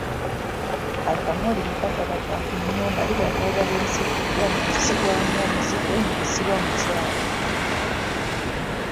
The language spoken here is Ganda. Akamooli bwe kataba kakunnyumba liba ddagala erisekuddwa ne lisibwamu omuzigo ne lisibibwa mu kyayi.